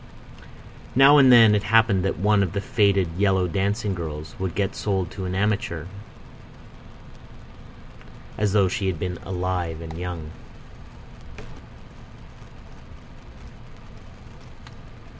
Now and then it happened that one of the faded, yellow dancing girls would get sold to an amateur, as though she had been alive and young.